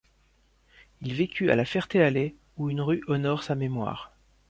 Il vécut à La Ferté-Alais, où une rue honore sa mémoire.